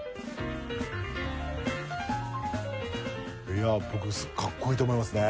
いやあ僕かっこいいと思いますね。